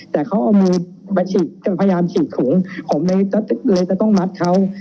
แต่เขาเอามือมาฉีกจนพยายามฉีดถุงผมเลยจะต้องมัดเขา